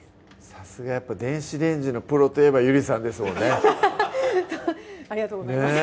さすがやっぱ電子レンジのプロといえばゆりさんですもんねありがとうございます